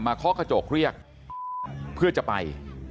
เคาะกระจกเรียกเพื่อจะไป